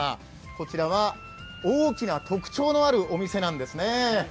こちらは大きな特徴のあるお店なんですね。